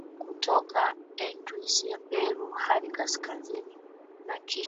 kutoka Andes ya Peru hadi kaskazini na kisha